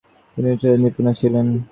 তিনি সূচিশিল্পেও নিপুণা ছিলেন।